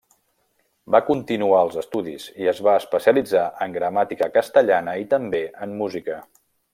Va continuar els estudis, i es va especialitzar en gramàtica castellana i també en música.